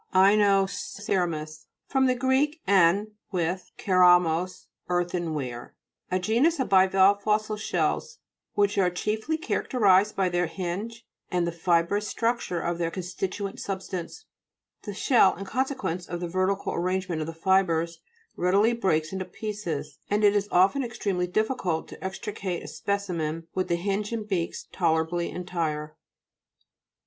INOCE'RAMUS fr. gr. en, with, ke ramos, earthen ware? A genus of bivalve fossil shells, which are chief ly characterised by their hinge and the fibrous structure of their con stituent substance. The shell, in consequence of the vertical arrange ment of the fibres, readily breaks to pieces, and it is often extremely dif ficult to extricate a specimen with the hinge and beaks tolerably entire.